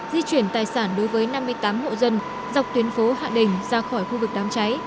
di chuyển tài sản đối với năm mươi tám hộ dân dọc tuyến phố hạ đình ra khỏi khu vực đám cháy